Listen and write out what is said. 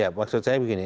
ya maksud saya begini